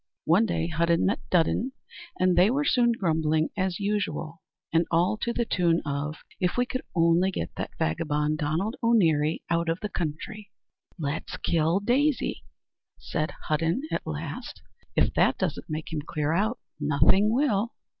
One day Hudden met Dudden, and they were soon grumbling as usual, and all to the tune of "If only we could get that vagabond Donald O'Neary out of the country." "Let's kill Daisy," said Hudden at last; "if that doesn't make him clear out, nothing will."